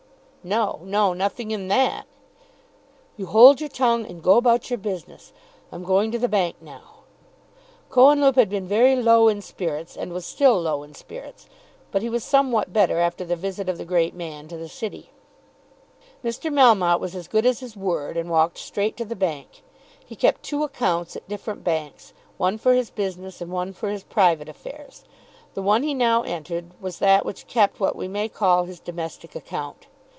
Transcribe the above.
"No, no, nothing in that." "You hold your tongue, and go about your business. I'm going to the bank now." Cohenlupe had been very low in spirits, and was still low in spirits; but he was somewhat better after the visit of the great man to the City. Mr. Melmotte was as good as his word and walked straight to the bank. He kept two accounts at different banks, one for his business, and one for his private affairs. The one he now entered was that which kept what we may call his domestic account.